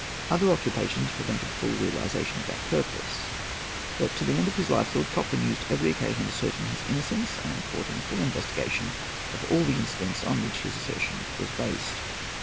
Other occupations prevented the full realization of that purpose. But to the end of his life Lord Cochrane used every occasion of asserting his innocence and courting a full investigation of all the incidents on which his assertion was based.